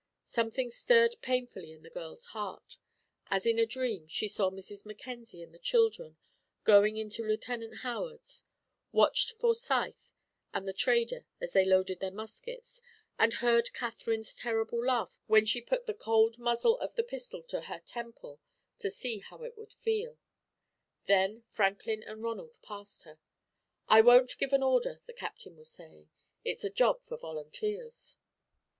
Something stirred painfully in the girl's heart. As in a dream, she saw Mrs. Mackenzie and the children going into Lieutenant Howard's, watched Forsyth and the trader as they loaded their muskets, and heard Katherine's terrible laugh when she put the cold muzzle of the pistol to her temple to see how it would feel. Then Franklin and Ronald passed her. "I won't give an order," the Captain was saying; "it's a job for volunteers."